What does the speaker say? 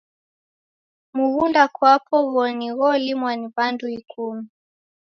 Mughunda kwapo ghoni gholimwa ni wandu ikumi